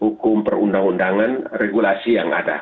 hukum perundang undangan regulasi yang ada